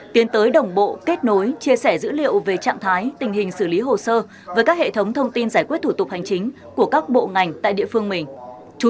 tiến tới đồng bộ kết nối chia sẻ dữ liệu về trạng thái tình hình xử lý hồ sơ với các hệ thống thông tin giải quyết thủ tục hành chính của các bộ ngành tại địa phương mình